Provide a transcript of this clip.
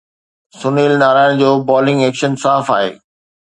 سنيل نارائن جو bowling action صاف